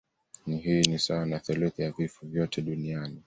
Hii ni sawa na theluthi ya vifo vyote duniani